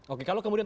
oke kalau kemudian